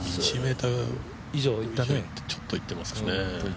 １ｍ以上、ちょっといってますかね。